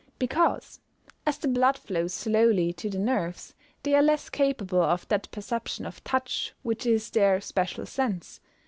_ Because, as the blood flows slowly to the nerves, they are less capable of that perception of touch which is their special sense.